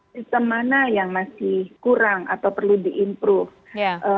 sistem mana yang masih kurang atau perlu di improve